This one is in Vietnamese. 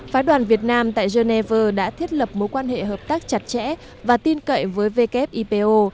phái đoàn việt nam tại geneva đã thiết lập mối quan hệ hợp tác chặt chẽ và tin cậy với wipo